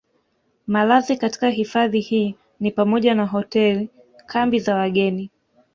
Malazi katika Hifadhi hii ni pamoja na Hotel kambi za wageni